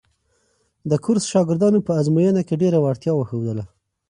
د کورس شاګردانو په ازموینو کې ډېره وړتیا وښودله.